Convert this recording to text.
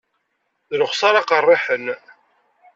D lexsara qerriḥen.